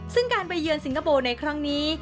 ซึ่งการไปเยือนสิงคโปร์ในครั้งนี้